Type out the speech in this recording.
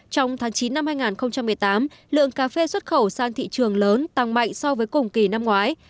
trong tháng chín năm hai nghìn một mươi tám lượng cà phê xuất khẩu sang thị trường lớn tăng mạnh so với cùng kỳ năm ngoái